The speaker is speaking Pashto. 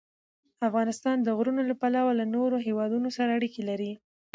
افغانستان د غرونه له پلوه له نورو هېوادونو سره اړیکې لري.